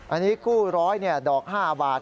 อันนี้กู้ร้อยดอก๕วาท